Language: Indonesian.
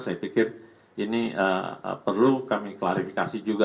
saya pikir ini perlu kami klarifikasi juga